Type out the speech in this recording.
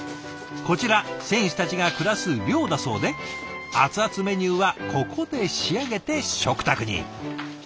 こちら選手たちが暮らす寮だそうで熱々メニューはここで仕上げて食卓に。